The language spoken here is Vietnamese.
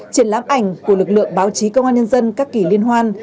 triển lãm ảnh của lực lượng báo chí công an nhân dân các kỳ liên hoan